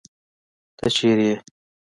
ته چېرته يې